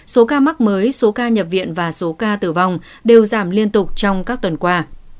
với số ca nhập viện và số ca tử vong đều giảm liên tục trong các tuần qua